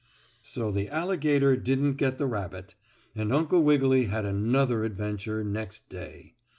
So the alligator didn't get the rabbit, and Uncle Wiggily had another adventure next day.